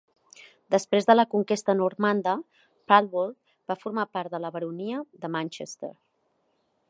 Després de la conquesta normanda, Parbold va formar part de la Baronia de Manchester.